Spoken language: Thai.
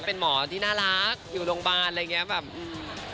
เป็นหมอที่น่ารักอยู่โรงพยาบาลอะไรอย่างเงี้ยแบบอืม